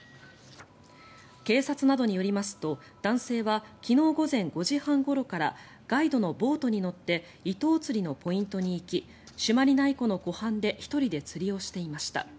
警察などによりますと男性は昨日午前５時半ごろからガイドのボートに乗ってイトウ釣りのポイントに行き朱鞠内湖の湖畔で１人で釣りをしていました。